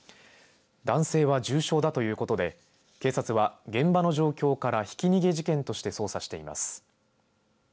男性は重傷だということで警察は現場の状況からひき逃げ事件として捜査しています。